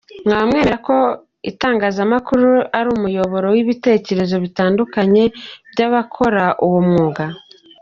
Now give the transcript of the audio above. Mwaba mwemera ko itangazamakuru ari umuyoboro w’ibitekerezo bitandukanye by’abakora uwo mwuga ?